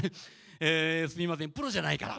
えすみませんプロじゃないから。